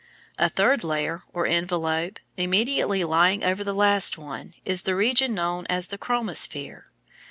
A third layer or envelope immediately lying over the last one is the region known as the chromosphere.